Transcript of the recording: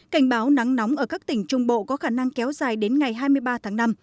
cảnh báo nắng nóng ở các tỉnh trung bộ có khả năng kéo dài đến ngày hai mươi ba tháng năm